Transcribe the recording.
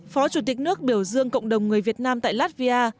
phó chủ tịch nước biểu dương cộng đồng người việt nam tại latvia